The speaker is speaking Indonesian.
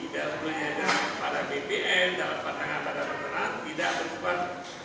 dalam dunia pada bpn dalam pandangan pada penerimaan